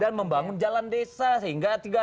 dan membangun jalan desa sehingga